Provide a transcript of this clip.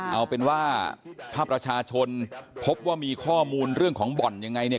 เอาเป็นว่าถ้าประชาชนพบว่ามีข้อมูลเรื่องของบ่อนยังไงเนี่ย